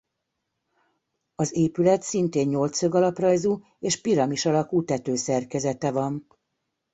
Az épület szintén nyolcszög alaprajzú és piramis alakú tetőszerkezete van.